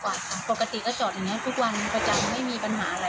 ปกติก็จอดอย่างนี้ทุกวันประจำไม่มีปัญหาอะไร